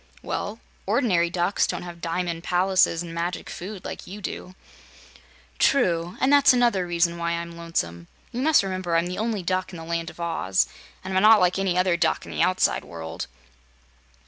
"Well, ordinary ducks don't have diamond palaces an' magic food, like you do." "True; and that's another reason why I'm lonesome. You must remember I'm the only Duck in the Land of Oz, and I'm not like any other duck in the outside world."